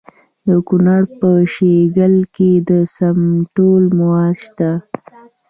د کونړ په شیګل کې د سمنټو مواد شته.